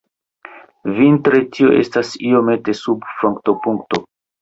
Vintre tio estas iomete sub frostopunkto.